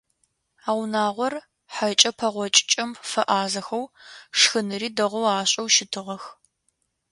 А унагъор хьэкӏэ пэгъокӏыкӏэм фэӏазэхэу, шхыныри дэгъоу ашӏэу щытыгъэх.